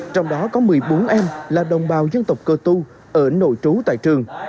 trong đó có một mươi bốn em là đồng bào dân tộc cơ tu ở nội trú tại trường